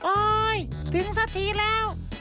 โอ๊ยถึงสักทีแล้ว